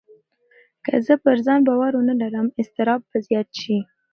که زه پر ځان باور ونه لرم، اضطراب به زیات شي.